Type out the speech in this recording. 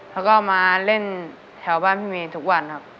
แล้วก็มาเล่นแถวบ้านพี่เมย์ทุกวันครับ